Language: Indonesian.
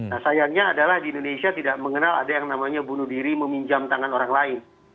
nah sayangnya adalah di indonesia tidak mengenal ada yang namanya bunuh diri meminjam tangan orang lain